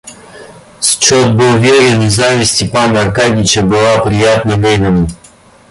Счет был верен, и зависть Степана Аркадьича была приятна Левину.